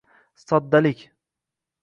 Soddalik.